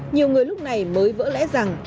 nhiều người lúc này mới vỡ lẽ rằng